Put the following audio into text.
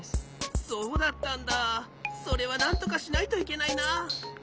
そうだったんだそれはなんとかしないといけないな。